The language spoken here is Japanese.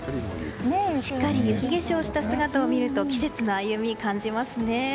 しっかり雪化粧した姿を見ると季節の歩みを感じますね。